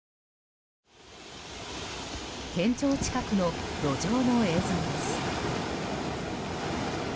県庁近くの路上の映像です。